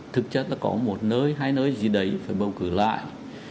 thực chất là có một nơi hay nơi gì đấy phải bầu cử lại